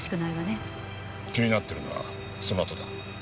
気になっているのはそのあとだ。